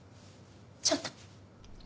ちょっと。